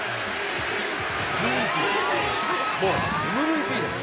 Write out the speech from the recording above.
もう、ＭＶＰです。